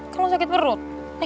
kan lo sakit perut